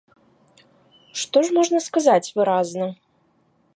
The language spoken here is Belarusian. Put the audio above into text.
Што ж можна сказаць выразна?